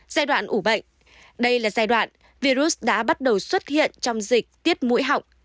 giai đoạn ủ bệnh đây là giai đoạn virus đã bắt đầu xuất hiện trong dịch tiết mũi họng